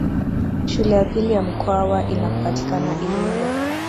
Shule ya pili ya Mkwawa inapatikana Iringa